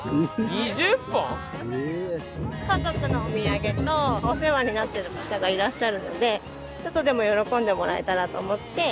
家族のお土産とお世話になってる方がいらっしゃるのでちょっとでも喜んでもらえたらと思って。